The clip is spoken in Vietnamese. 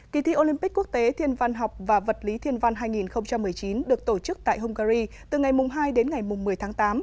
kỳ thi olympic quốc tế thiên văn học và vật lý thiên văn hai nghìn một mươi chín được tổ chức tại hungary từ ngày hai đến ngày một mươi tháng tám